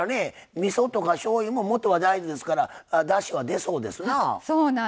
みそとか、しょうゆももとは大豆ですからだしは出そうですな。